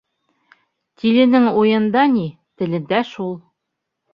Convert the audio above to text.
Тиленең уйында ни, телендә шул.